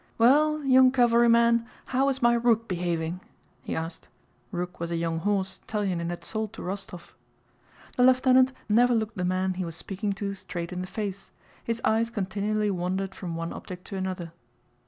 "Well, young cavalryman, how is my Rook behaving?" he asked. (Rook was a young horse Telyánin had sold to Rostóv.) The lieutenant never looked the man he was speaking to straight in the face; his eyes continually wandered from one object to another.